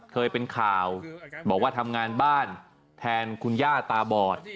เคยเป็นข่าวบอกว่าทำงานบ้านแทนคุณย่าตาบอด